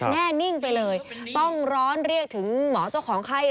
แน่นิ่งไปเลยต้องร้อนเรียกถึงหมอเจ้าของไข้